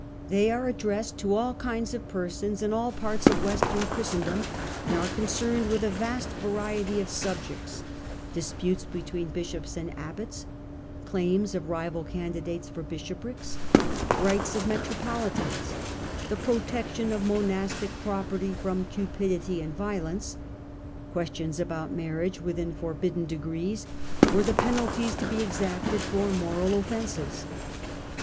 They are addressed to all kinds of persons, in all parts of Western Christendom, and are concerned with a vast variety of subjects ; disput es between bishops and abbots, claims of rival candidates for bishoprics, rights of metropolitans, the protection of monastic pro perty from cupidity and violence, questions about mar riages within forbidden degrees, or the penalties to be exacted for moral offences.